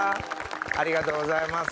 ありがとうございます。